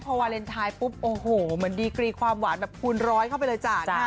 พอวาเลนไทยปุ๊บโอ้โหเหมือนดีกรีความหวานแบบคูณร้อยเข้าไปเลยจ้ะ